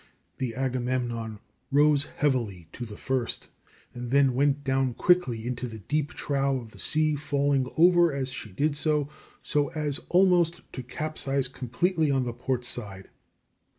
The Agamemnon rose heavily to the first, and then went down quickly into the deep trough of the sea, falling over as she did so, so as almost to capsize completely on the port side.